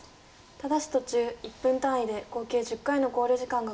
ただし途中１分単位で合計１０回の考慮時間がございます。